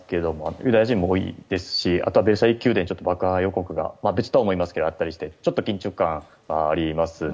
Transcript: ユダヤ人も多いですしあとはベルサイユ宮殿にちょっと爆破予告が別とは思いますけれどもあったりしてちょっと緊張感はありますね。